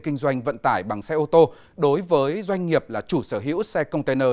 kinh doanh vận tải bằng xe ô tô đối với doanh nghiệp là chủ sở hữu xe container